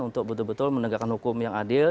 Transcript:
untuk betul betul menegakkan hukum yang adil